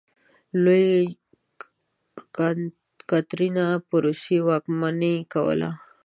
لویه کاترینه په روسیې واکمني کوله.